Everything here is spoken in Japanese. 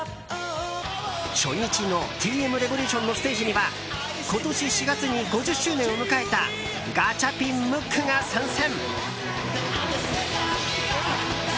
初日のＴ．Ｍ．Ｒｅｖｏｌｕｔｉｏｎのステージには今年４月に５０周年を迎えたガチャピン、ムックが参戦。